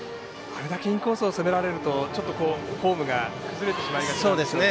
あれだけインコースを攻められるとちょっとフォームが崩れてしまいがちなんですね。